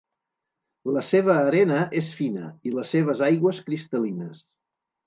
La seva arena és fina i les seves aigües cristal·lines.